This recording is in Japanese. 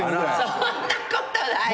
そんなことないよ。